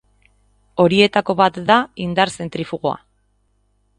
Horietako bat da indar zentrifugoa.